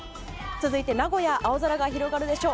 続いて、名古屋青空が広がるでしょう。